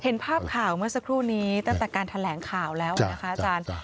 เห็นภาพข่าวเมื่อสักครู่นี้ตั้งแต่การแถลงข่าวแล้วนะคะอาจารย์